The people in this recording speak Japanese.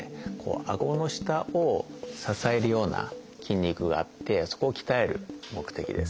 あごの下を支えるような筋肉があってそこを鍛える目的です。